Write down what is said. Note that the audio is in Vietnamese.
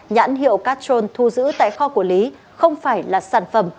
nhãn hiệu cắt trôn thu giữ tại kho của lý không phải là sản phẩm